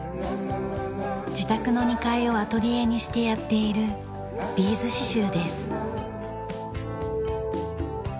自宅の２階をアトリエにしてやっているビーズ刺繍です。